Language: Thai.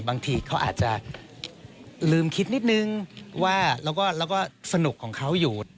บางทีเขาอาจจะลืมคิดนิดนึงว่าแล้วก็สนุกของเขาอยู่